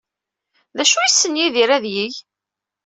D acu ay yessen Yidir ad yeg?